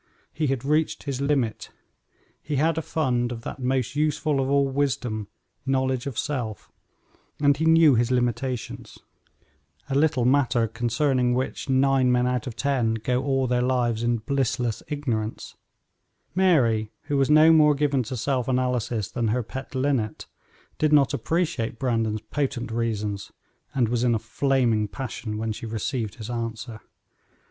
He had reached his limit. He had a fund of that most useful of all wisdom, knowledge of self, and knew his limitations; a little matter concerning which nine men out of ten go all their lives in blissless ignorance. Mary, who was no more given to self analysis than her pet linnet, did not appreciate Brandon's potent reasons, and was in a flaming passion when she received his answer.